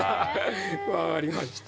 分かりました。